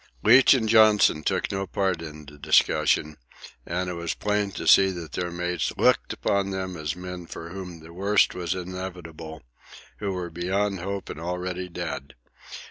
Leach and Johnson took no part in the discussion, and it was plain to see that their mates looked upon them as men for whom the worst was inevitable, who were beyond hope and already dead.